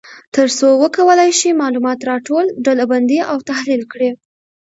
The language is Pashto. تر څو وکولای شي معلومات را ټول، ډلبندي او تحلیل کړي.